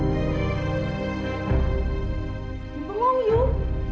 kamu bengong kamu